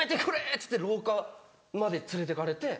っつって廊下まで連れてかれて。